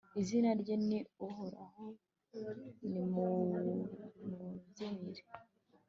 izina rye ni uhoraho, nimumubyinire